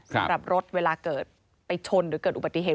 สำหรับรถเวลาเกิดไปชนหรือเกิดอุบัติเหตุ